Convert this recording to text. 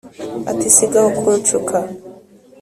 ati sigaho kunshuka